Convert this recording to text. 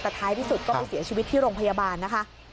แต่ท้ายที่สุดก็ไปเสียชีวิตที่โรงพยาบาลนะคะ